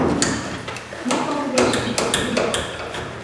Hoe komen deze ziekten binnen?